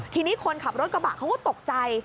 ทีนี้คนขับรถกระบะเขาก็ตกใจ